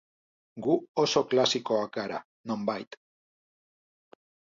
Gu oso klasikoak gara, nonbait.